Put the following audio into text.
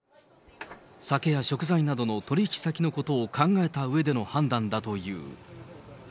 酒や食材などの取り引き先のことを考えたうえでの判断だという。